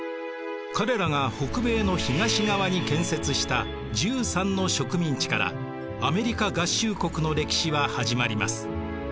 彼らが北米の東側に建設した１３の植民地からアメリカ合衆国の歴史は始まります。